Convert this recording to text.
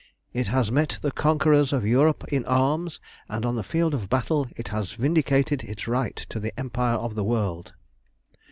It has met the conquerors of Europe in arms, and on the field of battle it has vindicated its right to the empire of the world.